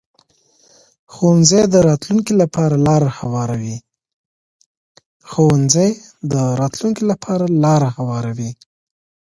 ښوونځی د راتلونکي لپاره لار هواروي